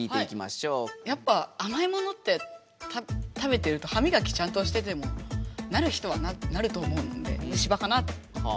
やっぱ甘いものって食べてるとはみがきちゃんとしててもなる人はなると思うので虫歯かな。